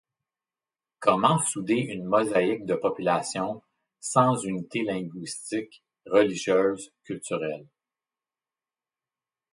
Comment souder une mosaïque de populations, sans unité linguistique, religieuse, culturelle?